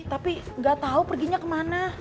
tapi gak tau perginya kemana